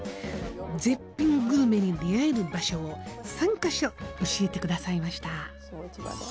絶品グルメに出会える場所を３か所教えてくださいました。